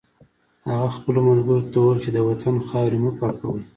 هغه خپلو ملګرو ته وویل چې د وطن خاورې مه پاکوئ